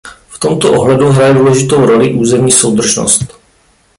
V tomto ohledu hraje důležitou roli územní soudržnost.